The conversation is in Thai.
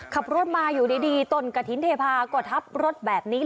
ขับรถมาอยู่ดีต้นกระถิ่นเทพาก็ทับรถแบบนี้